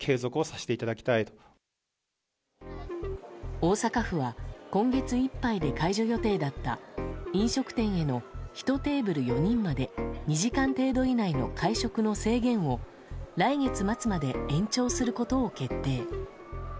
大阪府は今月いっぱいで解除予定だった飲食店への、１テーブル４人まで２時間程度以内の会食の制限を来月末まで延長することを決定。